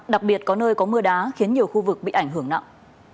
đặc biệt có nơi có mưa đá khiến nhiều khu vực bị ảnh hưởng nặng